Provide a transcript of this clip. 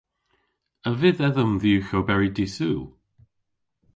A vydh edhom dhywgh oberi dy'Sul?